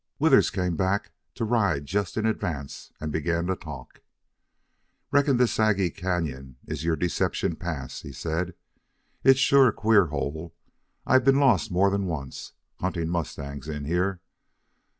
Withers came back to ride just in advance and began to talk. "Reckon this Sagi cañon is your Deception Pass," he said. "It's sure a queer hole. I've been lost more than once, hunting mustangs in here.